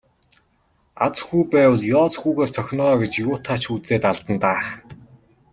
Аз хүү байвал ёоз хүүгээр цохино оо гэж юутай ч үзээд алдана даа.